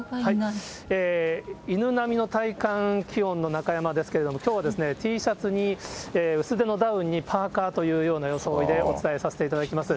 犬並みの体感気温の中山ですけれども、きょうはＴシャツに、薄手のダウンに、パーカーというような装いでお伝えさせていただきます。